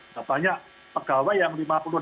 katanya pegawai yang lima puluh enam puluh